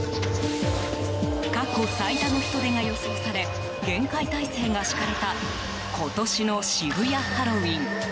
過去最多の人出が予想され厳戒態勢が敷かれた今年の渋谷ハロウィーン。